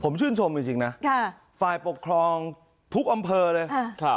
ผมชื่นชมจริงนะฝ่ายปกครองทุกอำเภอเลย